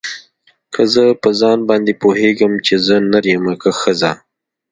که زه په ځان باندې پوهېږم چې زه نر يمه که ښځه.